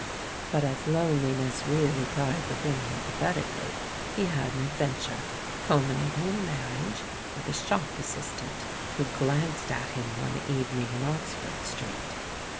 But as loneliness really cried within him pa thetically, he had an adventure, culminating in marriage, with a shop assistant who glanced at him one evening in Oxford Street.